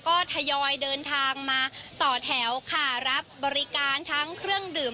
ก็ทยอยเดินทางมาต่อแถวค่ะรับบริการทั้งเครื่องดื่ม